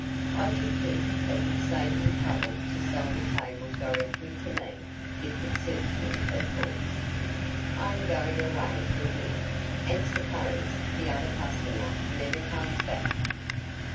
"I should think it would save you trouble to sell the table directly to me if it suits me, of course. I am going away from here, and suppose the other customer never comes back?"